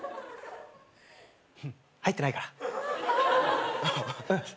入ってないから。